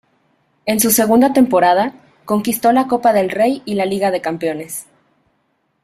En su segunda temporada, conquistó la Copa del Rey y la Liga de Campeones.